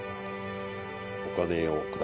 お金をください。